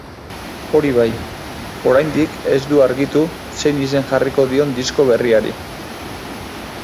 Hori bai, oraindik ez du argitu zein izen jarriko dion disko berriari.